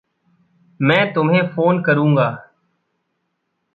मैं तुम्हें फ़ोन करूँगा।